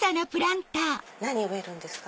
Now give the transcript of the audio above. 何植えるんですか？